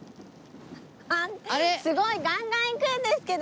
すごい！ガンガン行くんですけど。